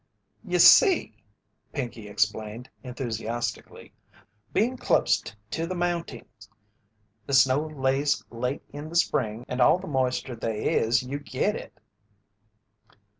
"You see," Pinkey explained, enthusiastically, "bein' clost to the mountings, the snow lays late in the spring and all the moisture they is you git it."